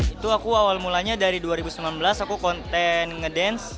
itu aku awal mulanya dari dua ribu sembilan belas aku konten ngedance